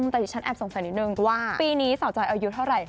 แต่ดิฉันแอบสงสัยนิดนึงว่าปีนี้สาวจอยอายุเท่าไหร่